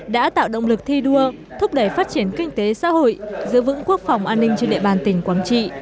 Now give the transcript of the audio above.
đã tạo động lực thi đua thúc đẩy phát triển kinh tế xã hội giữ vững quốc phòng an ninh trên địa bàn tỉnh quảng trị